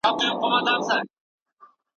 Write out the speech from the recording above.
هغه په کمپيوټر کي پروګرام ليکي.